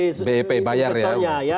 untuk bep bayar ya